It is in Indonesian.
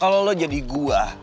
kalau lo jadi gua